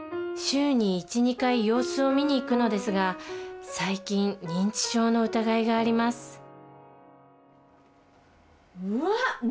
週に１２回様子を見に行くのですが最近認知症の疑いがありますうわっ！